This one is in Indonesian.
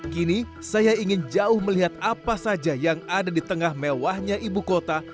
kini saya ingin jauh melihat apa saja yang ada di tengah mewahnya ibu kota